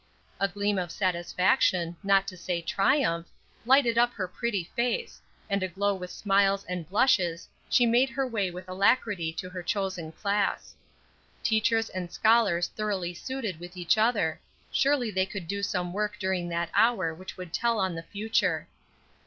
A gleam of satisfaction, not to say triumph, lighted up her pretty face, and aglow with smiles and blushes, she made her way with alacrity to her chosen class. Teachers and scholars thoroughly suited with each other; surely they could do some work during that hour that would tell on the future.